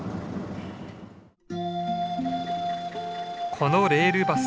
このレールバス